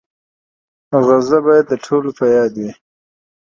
غزه باید زموږ ټولو په یاد وي.